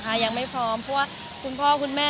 มีปิดฟงปิดไฟแล้วถือเค้กขึ้นมา